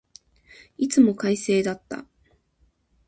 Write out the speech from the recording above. いつも快晴だった。